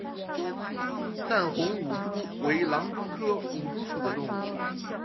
淡红舞蛛为狼蛛科舞蛛属的动物。